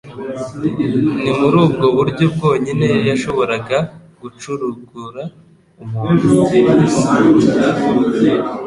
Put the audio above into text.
Ni muri ubwo buryo bwonyine yashoboraga gucurugura umuntu